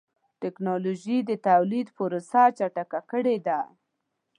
ټکنالوجي د تولید پروسه چټکه کړې ده.